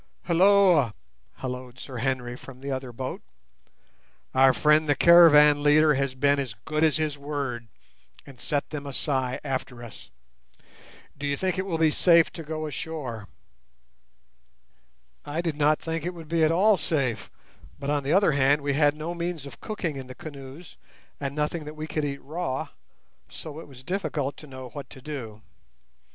"Hulloa!" holloaed Sir Henry from the other boat; "our friend the caravan leader has been as good as his word, and set the Masai after us. Do you think it will be safe to go ashore?" I did not think it would be at all safe; but, on the other hand, we had no means of cooking in the canoes, and nothing that we could eat raw, so it was difficult to know what to do.